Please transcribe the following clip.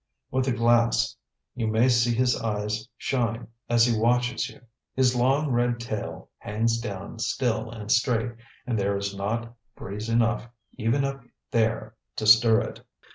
With a glass you may see his eyes shine as he watches you. His long red tail hangs down still and straight and there is not breeze enough, even up there, to stir it.